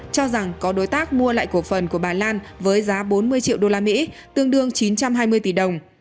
cho rằng có đối tác mua lại cổ phần của bà lan với giá bốn mươi triệu usd tương đương chín trăm hai mươi tỷ đồng